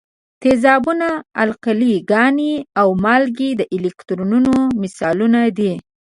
تیزابونه، القلي ګانې او مالګې د الکترولیتونو مثالونه دي.